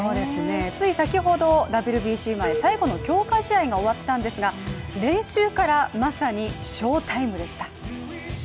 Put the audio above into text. つい先ほど、ＷＢＣ前最後の強化試合が終わったんですが、練習からまさに翔タイムでした。